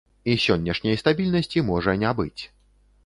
І сённяшняй стабільнасці можа не быць.